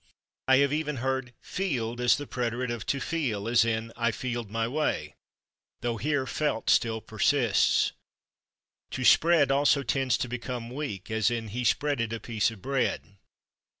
I have even heard /feeled/ as the preterite of /to feel/, as in "I /feeled/ my way," though here /felt/ still persists. /To spread/ also tends to become weak, as in "he /spreaded/ a piece of bread."